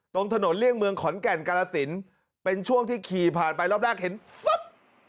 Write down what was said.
ตรงถนนเลี่ยงเมืองขอนแก่นกาลสินเป็นช่วงที่ขี่ผ่านไปรอบแรกเห็นฟึ๊บ